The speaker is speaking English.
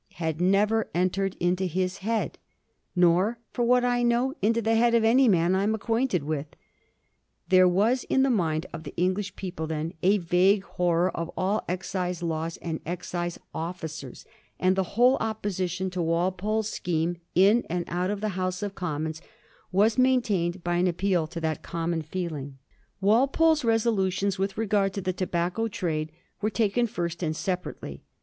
415 had never entered into his head, ^ nor, for what I know, into the head of any man I am acquainted with/ There was in the" mind of the English people then a vague horror of all excise laws and excise oflScers, and the whole opposition to Walpole's scheme in and out of the House of Commons was maintained hy an appeal to that common feeling. Walpole's resolutions with regard to the tobacco trade were taken first and separately.